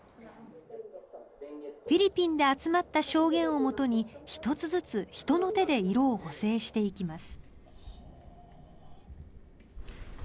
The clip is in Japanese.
フィリピンで集まった証言をもとに１つずつ人の手で色を補正していきます。